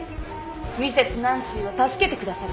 ミセスナンシーを助けてくださる？